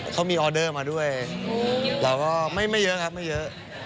เขามีออเดอร์มาด้วยเราก็ไม่เยอะครับไม่เยอะ